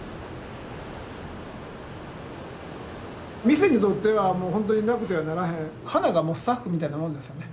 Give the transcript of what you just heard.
店にとってはもうほんとになくてはならへん花がもうスタッフみたいなもんですよね。